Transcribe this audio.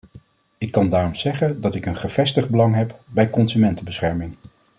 Ik kan daarom zeggen dat ik een gevestigd belang heb bij consumentenbescherming.